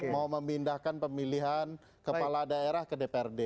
mau memindahkan pemilihan kepala daerah ke dprd